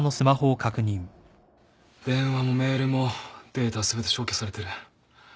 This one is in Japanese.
電話もメールもデータは全て消去されてる。